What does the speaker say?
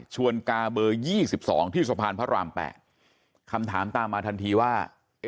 ชวนกาเบอร์ยี่สิบสองที่สะพานพระรามแปดคำถามตามมาทันทีว่าเอ๊ะ